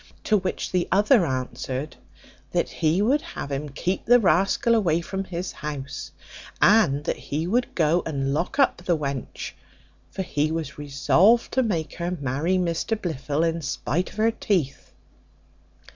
To which the other answered, "That he would have him keep the rascal away from his house, and that he would go and lock up the wench; for he was resolved to make her marry Mr Blifil in spite of her teeth."